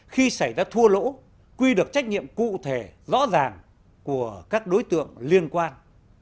khi xảy ra thua lỗ quy được trách nhiệm cụ thể rõ ràng của các đối tượng liên quan